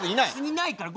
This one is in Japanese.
いないから。